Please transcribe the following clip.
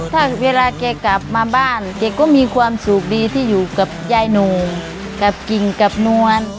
ตานท์น้อเวลาเขากลับมาบ้านเขาก็มีความสุขดีที่อยู่กับให้อยู่กับใช้หนู